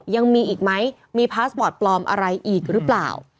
ยังมีอีกไหมมีพาสปอร์ตปลอมอะไรอีกหรือเปล่า